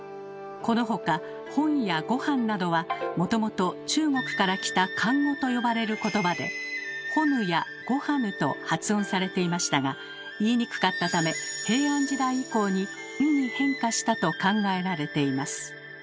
この他「ほん」や「ごはん」などはもともと中国から来た「漢語」と呼ばれることばで「ほぬ」や「ごはぬ」と発音されていましたが言いにくかったため平安時代以降に「ん」に変化したと考えられています。